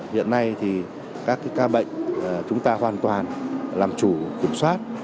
hiện nay thì các ca bệnh chúng ta hoàn toàn làm chủ kiểm soát